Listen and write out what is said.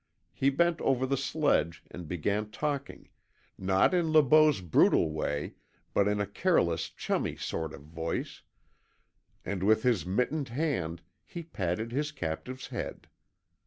He bent over the sledge and began talking, not in Le Beau's brutal way, but in a careless chummy sort of voice, and with his mittened hand he patted his captive's head.